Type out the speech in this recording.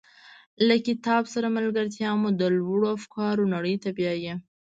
له کتاب سره ملتیا مو د لوړو افکارو نړۍ ته بیایي.